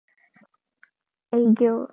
営業